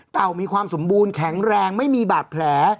มีความสมบูรณ์แข็งแรงไม่มีบาดแผล